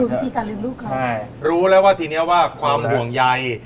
วิธีการลืมลูกเขาใช่รู้แล้วว่าทีเนี้ยว่าความห่วงใย